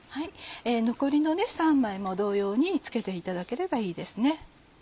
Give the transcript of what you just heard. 残りの３枚も同様につけていただければいいですね。